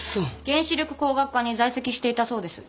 原子力工学科に在籍していたそうです。